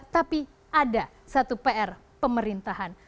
tapi ada satu pr pemerintahan